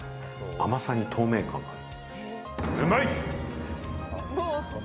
まさに透明感がある！